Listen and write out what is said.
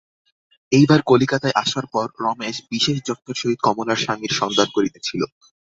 এইবার কলিকাতায় আসার পর রমেশ বিশেষ যত্নের সহিত কমলার স্বামীর সন্ধান করিতেছিল।